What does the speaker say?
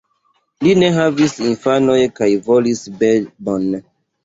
Li ne havis infanoj kaj volis bebon.